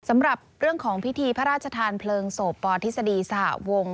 สำหรับเรื่องของพิธีพระราชทานเพลิงศพปทฤษฎีสหวง